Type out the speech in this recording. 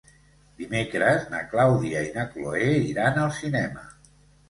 Dimecres na Clàudia i na Cloè iran al cinema.